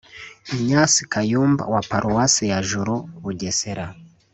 Ignace Kayumba wa Paruwasi ya Juru (Bugesera)